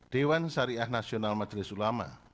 dewan syariah nasional majelis ulama